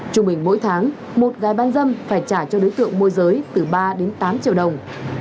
trung bình mỗi tháng một gái bán dâm phải trả cho đối tượng môi giới từ ba đến tám triệu đồng